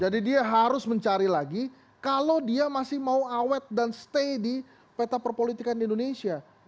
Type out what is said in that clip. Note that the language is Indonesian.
jadi dia harus mencari lagi kalau dia masih mau awet dan stay di peta perpolitikan di indonesia